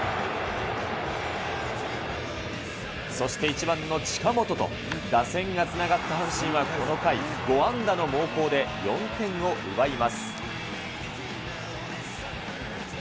そして１番の近本と、打線がつながった阪神はこの回５安打の猛攻で４点を奪います。